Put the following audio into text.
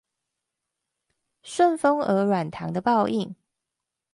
順風耳軟糖的報應